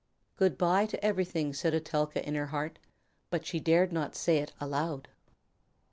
"Good by to everything," said Etelka in her heart, but she dared not say it aloud.